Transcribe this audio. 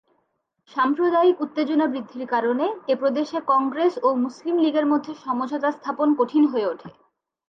সাম্প্রদায়িক উত্তেজনা বৃদ্ধির কারণে এ প্রদেশে কংগ্রেস ও মুসলিম লীগের মধ্যে সমঝোতা স্থাপন কঠিন হয়ে ওঠে।